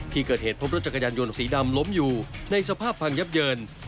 ที่เกิดเหตุพบรถจักรยานยนต์สีดำล้มอยู่ในสภาพพังยับเยิน